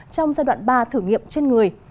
trong giai đoạn ba thử nghiệm trên người